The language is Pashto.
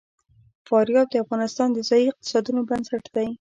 فاریاب د افغانستان د ځایي اقتصادونو بنسټ دی.